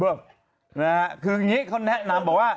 คืออย่างนี้เขาแนะนำบอกว่า